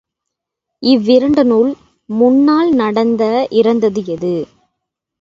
இவ்விரண்டனுள் முன்னால் நடந்த இறந்தது எது?